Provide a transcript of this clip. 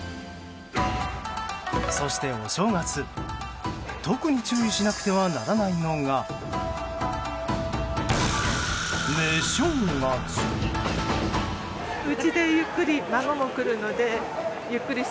そして、お正月特に注意しなくてはならないのが寝正月。